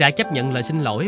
đã chấp nhận lời xin lỗi